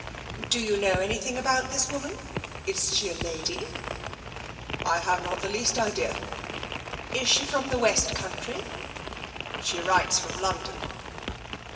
"Do you know anything about this woman? Is she a lady ?"" I have not the least idea." "Is she from the West Country?" " She writes from London."